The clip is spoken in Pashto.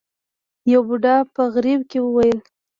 يوه بوډا په غريو کې وويل.